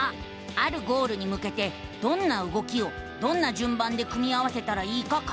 あるゴールにむけてどんな動きをどんなじゅんばんで組み合わせたらいいか考える。